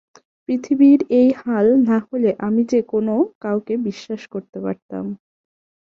পৃথিবীর এই হাল না হলে আমি যে কোনো কাউকে বিশ্বাস করতে পারতাম।